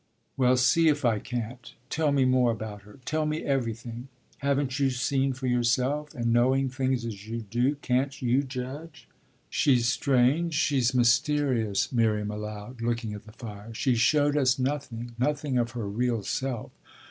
Well see if I can't. Tell me more about her tell me everything." "Haven't you seen for yourself and, knowing things as you do, can't you judge?" "She's strange, she's mysterious," Miriam allowed, looking at the fire. "She showed us nothing nothing of her real self."